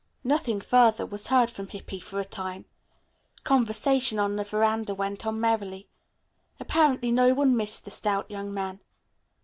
Nothing further was heard from Hippy for a time. Conversation on the veranda went on merrily. Apparently no one missed the stout young man.